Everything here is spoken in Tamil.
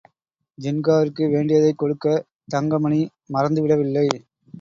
ஜின்காவிற்கு வேண்டியதைக் கொடுக்கத் தங்கமணி மறந்துவிடவில்லை.